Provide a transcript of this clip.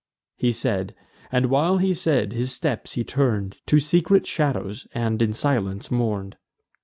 He said; and, while he said, his steps he turn'd To secret shadows, and in silence mourn'd.